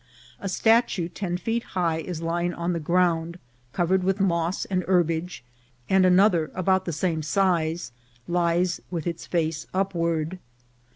A statue ten feet high is lying on the ground, cover ed with moss and herbage, and another about the same size lies with its face upward.